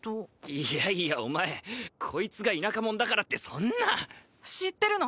いやいやお前こいつが田舎者だからってそんな知ってるの？